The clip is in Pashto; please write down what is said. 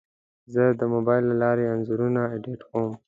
زه د موبایل له لارې انځورونه ایډیټ کوم.